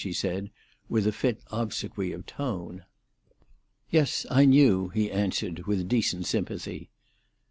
she said, with fit obsequy of tone. "Yes, I knew," he answered, with decent sympathy.